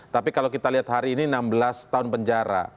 tapi kalau kita lihat hari ini enam belas tahun penjara